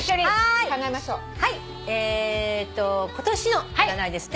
えーっと今年の占いですね。